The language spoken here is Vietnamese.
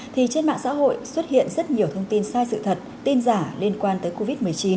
thì trên mạng xã hội xuất hiện rất nhiều thông tin sai sự thật tin giả liên quan tới covid một mươi chín